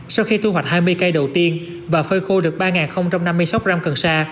sau khi thu hoạch hai mươi cây đầu tiên và phơi khô được ba năm mươi sáu gram cần sa